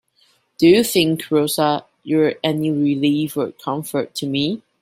Do you think, Rosa, you are any relief or comfort to me?